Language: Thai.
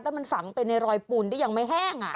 แล้วมันฝังไปในรอยปูนที่ยังไม่แห้ง